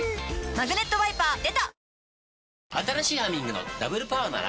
「マグネットワイパー」出た！